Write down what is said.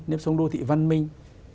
nếp sống đô thị văn minh